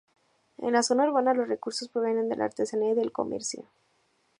En la zona urbana los recursos provienen de la artesanía y del comercio.